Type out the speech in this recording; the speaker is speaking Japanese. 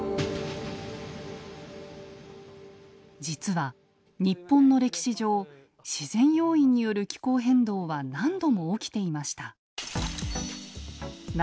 実は日本の歴史上自然要因による気候変動は何度も起きていました。